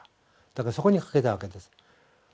だからそこに賭けたわけです。